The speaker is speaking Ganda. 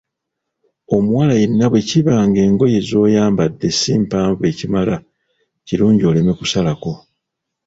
Omuwala yenna bwe kiba ng'engoye z’oyambadde si mpanvu ekimala kirungi oleme kusalako.